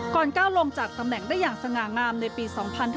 ก้าวลงจากตำแหน่งได้อย่างสง่างามในปี๒๕๕๙